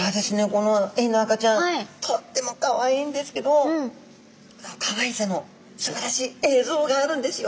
このエイの赤ちゃんとってもカワイイんですけどカワイさのすばらしい映像があるんですよ。